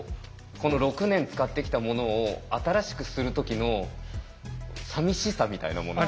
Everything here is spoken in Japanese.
この６年使ってきたものを新しくする時のさみしさみたいなもの。